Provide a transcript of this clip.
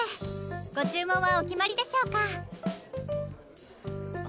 ご注文はお決まりでしょうか？